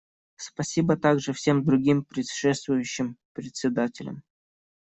Спасибо также всем другим предшествующим председателям.